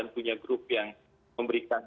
punya grup yang memberikan